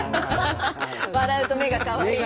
「笑うと目がかわいい」。